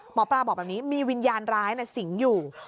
หมอปลาบอกแบบนี้มีวิญญาณร้ายสิงอยู่